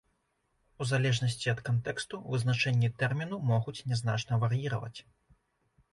У залежнасці ад кантэксту вызначэнні тэрміну могуць нязначна вар'іраваць.